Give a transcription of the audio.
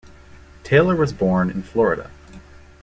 Tayler was born in Florida.